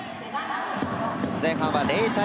前半は０対０。